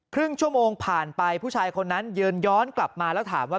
ครึ่งชั่วโมงผ่านไปผู้ชายคนนั้นยืนย้อนกลับมาแล้วถามว่า